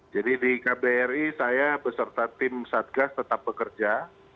jadi di kbri saya beserta tim satgas tetap bekerja